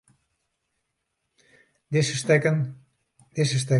Dizze stikken spylje ik op de lêste snein fan it tsjerklik jier.